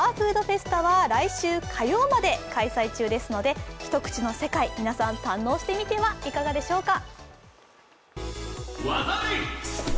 ＰＯＷＥＲＦＯＯＤＦＥＳＴＡは来週火曜まで開催中ですのでひとくちの世界、皆さん堪能してみてはいかがでしょうか。